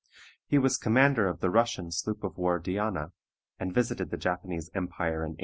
He was commander of the Russian sloop of war Diana, and visited the Japanese empire in 1811.